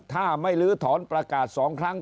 ถ้าไม่ลื้อถอนประกาศ๒ครั้ง